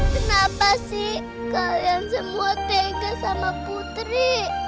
kenapa sih kalian semua tega sama putri